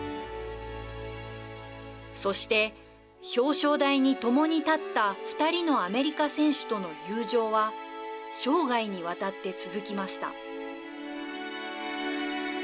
そして、表彰台にともに立った２人のアメリカ選手との友情は生涯にわたって続きました。